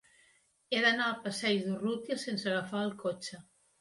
He d'anar al passeig d'Urrutia sense agafar el cotxe.